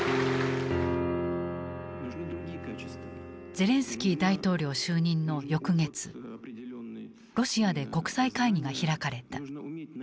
ゼレンスキー大統領就任の翌月ロシアで国際会議が開かれた。